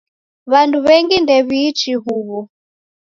W'andu w'engi ndew'iichi huw'o.